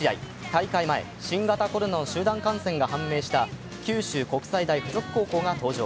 大会前、新型コロナの集団感染が判明した九州国際大学付属高校が登場。